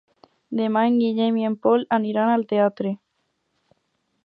Demà en Guillem i en Pol aniran al teatre.